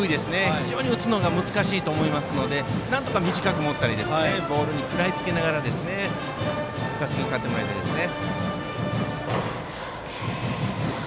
非常に打つのが難しいと思いますのでなんとか短く持ったりボールに食らいつきながら打席に立ってもらいたいですね。